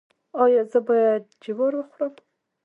ایا زه باید جوار وخورم؟